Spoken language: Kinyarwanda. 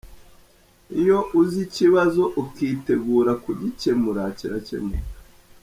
Iyo uzi ikibazo ukitegura kugikemura kirakemuka.